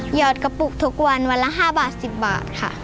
อดกระปุกทุกวันวันละ๕บาท๑๐บาทค่ะ